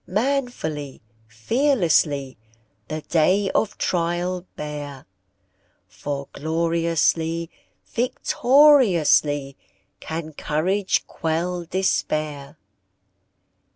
Manfully, fearlessly, The day of trial bear, For gloriously, victoriously, Can courage quell despair!